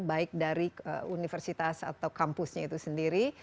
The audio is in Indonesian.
baik dari universitas atau kampusnya itu sendiri